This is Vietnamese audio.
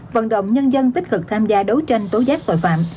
vận động nhân dân tích cực tham gia đấu tranh tố giác tội phạm